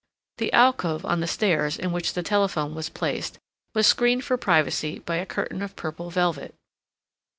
The alcove on the stairs, in which the telephone was placed, was screened for privacy by a curtain of purple velvet.